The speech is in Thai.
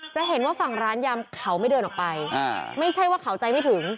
จะเห็นว่าฝั่งร้านยำเขาไม่เดินออกไปไม่ใช่ว่าเขาใจไม่ถึง